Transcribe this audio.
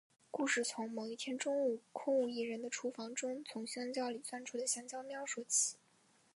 故事从某一天中午空无一人的厨房中从香蕉里钻出的香蕉喵说起。